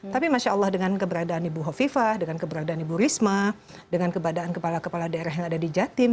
tapi masya allah dengan keberadaan ibu hovifah dengan keberadaan ibu risma dengan keberadaan kepala kepala daerah yang ada di jatim